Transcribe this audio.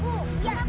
oh dasar penjahat